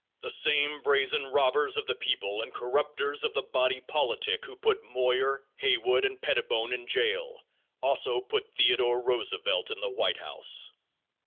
The same brazen robbers of the people and corrupters of the body politic who put Moyer, Haywood and Pettibone in jail, also put Theodore Roosevelt in the White House.